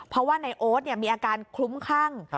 เพราะว่าในโอ๊ตมีอาการคลุ้มคลั่ง